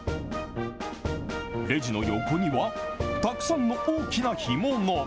レジの横には、たくさんの大きな干物。